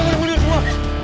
ayo mundur semua